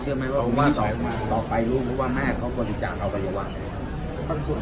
เชื่อไหมว่าต่อไปรู้ไหมว่าแม่เค้าก็บริจารณ์เราไปอีกว่าอะไรครับ